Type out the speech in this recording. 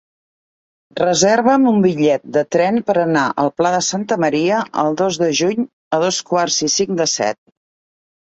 Reserva'm un bitllet de tren per anar al Pla de Santa Maria el dos de juny a dos quarts i cinc de set.